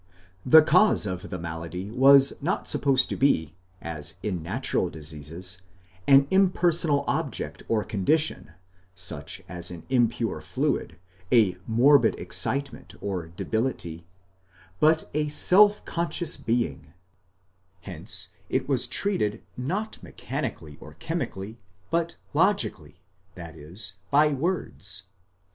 The cause of the malady was not supposed to be, as in natural diseases, an impersonal object or condition, such as an impure fluid, a morbid excitement or debility, but a self conscious being; hence it was treated, not mechanically or chemically, but logically,.z.e. by words.